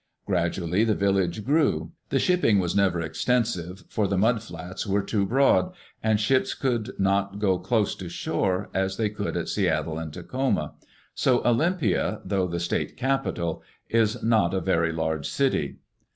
Gradually the village grew. The shipping was never extensive, for the mud flats were too broad, and ships could not go close to shore, as they could at Seattle and Tacoma. So Olympia, though the state capital, is not yet a very large city.